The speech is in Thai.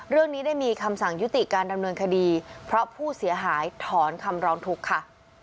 เรื่องนี้ได้มีคำสั่งยุติการดำเนินคดีเพราะผู้เสียหายถอนคำร้องทุกข์ค่ะ